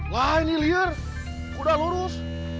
wah ini liar udah lurus